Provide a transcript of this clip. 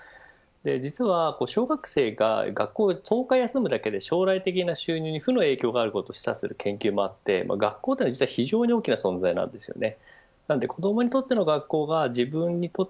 実は、小学生が学校を１０日休むだけで、将来的な収入に負の影響が示唆する研究もあり学校は非常に大きな存在なんですよね。